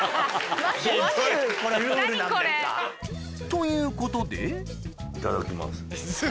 ということでいただきます。